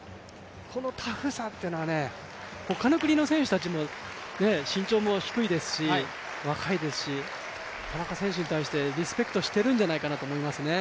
このタフさというのはね、他の国の選手たちも、身長も低いですし若いですし、田中選手に対してリスペクトしているんじゃないかと思いますね。